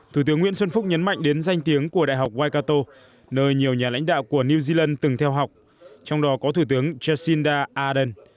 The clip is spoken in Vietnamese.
thủ tướng nguyễn xuân phúc nhấn mạnh đến danh tiếng của đại học wicato nơi nhiều nhà lãnh đạo của new zealand từng theo học trong đó có thủ tướng jacinda ardern